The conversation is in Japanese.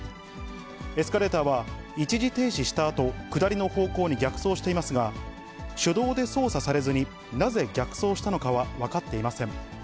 エスカレーターは一時停止したあと、下りの方向に逆走していますが、手動で操作されずに、なぜ逆走したのかは分かっていません。